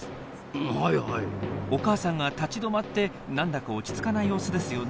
お母さんが立ち止まってなんだか落ち着かない様子ですよね？